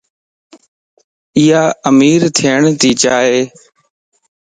ايا امير ڇڻ تي چائي